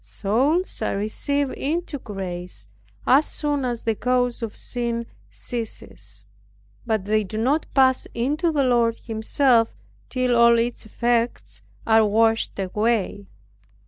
Souls, are received into grace, as soon as the cause of sin ceases; but they do not pass into the Lord Himself, till all its effects are washed away.